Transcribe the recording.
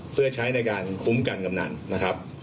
เพื่อใช้ในการคุ้มกันกำนันนะครับ